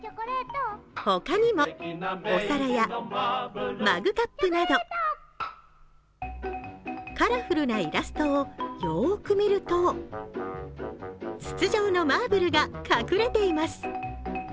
他にも、お皿やマグカップなどカラフルなイラストをよーく見ると、筒状のマーブルが隠れています。